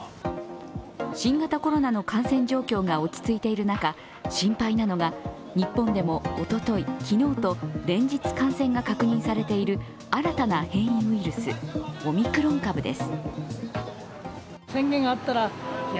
新型コロナの感染状況が落ち着いている中、心配なのが日本でもおととい、昨日と連日感染が確認されている新たな変異ウイルス、オミクロン株です。